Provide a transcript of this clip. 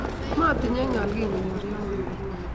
Kimatinye ngaal kingonyor yoto